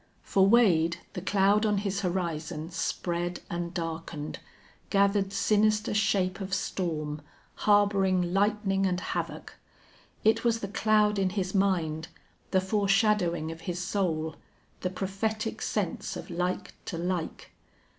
For Wade, the cloud on his horizon spread and darkened, gathered sinister shape of storm, harboring lightning and havoc. It was the cloud in his mind, the foreshadowing of his soul, the prophetic sense of like to like.